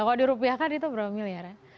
kalau di rupiah kan itu berapa miliar ya